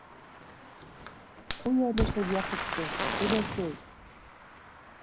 - Ҡуй әле шул Яҡупты, өләсәй!